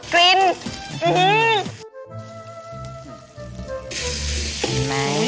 กลิ่น